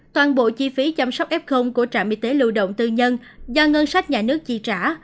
toàn bộ chi phí chăm sóc f của trạm y tế lưu động tư nhân do ngân sách nhà nước chi trả